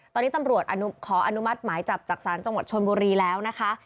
ตอนนี้ตำรวจขออนุมัติหมายจับจากศาลจังหวัดชนบุรีแล้วนะคะ